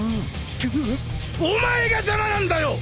くっお前が邪魔なんだよ！